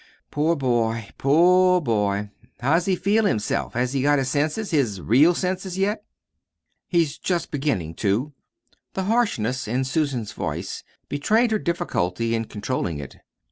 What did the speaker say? "Poor boy, poor boy! How's he feel himself? Has he got his senses, his real senses yet?" "He's just beginnin' to." The harshness in Susan's voice betrayed her difficulty in controlling it.